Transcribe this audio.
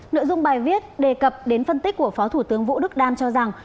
nội dung bài viết đề cập đến phân tích của phó thủ tướng vũ đức đam cho rằng